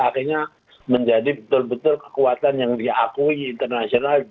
akhirnya menjadi betul betul kekuatan yang diakui internasional